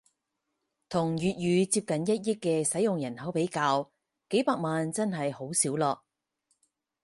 同粵語接近一億嘅使用人口比較，幾百萬真係好少囉